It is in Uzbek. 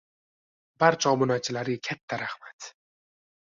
Barcha obunachilarga katta rahmat!